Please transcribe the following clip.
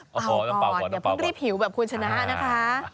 ก่อนอย่าเพิ่งรีบหิวแบบคุณชนะนะคะ